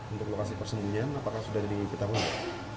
untuk lokasi persembunyian apakah sudah diketahui